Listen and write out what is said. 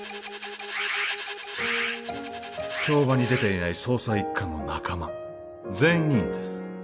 帳場に出ていない捜査一課の仲間全員です